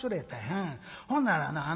ほならなあ